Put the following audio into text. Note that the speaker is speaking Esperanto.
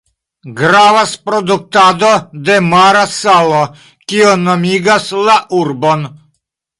Gravas produktado de mara salo, kio nomigas la urbon.